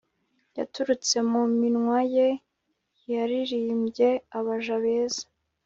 Yaturutse mu minwa ye yaririmbye abaja beza